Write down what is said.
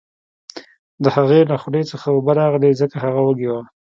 د هغې له خولې څخه اوبه راغلې ځکه هغه وږې وه